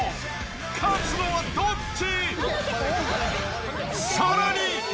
勝つのはどっち？